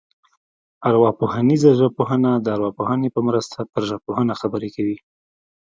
ارواپوهنیزه ژبپوهنه د ارواپوهنې په مرسته پر ژبپوهنه خبرې کوي